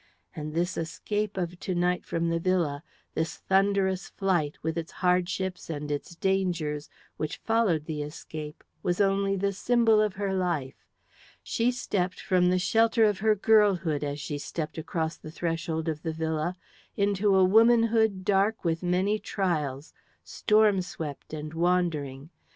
And this escape of to night from the villa, this thunderous flight, with its hardships and its dangers, which followed the escape, was only the symbol of her life. She stepped from the shelter of her girlhood, as she stepped across the threshold of the villa, into a womanhood dark with many trials, storm swept and wandering.